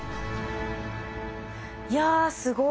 いやすごい。